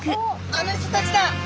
あの人たちだ！